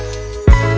terima kasih ya allah